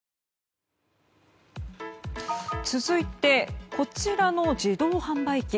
続いてこちらの自動販売機。